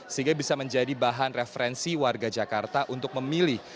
sehingga bisa menjadi bahan referensi warga jakarta untuk memilih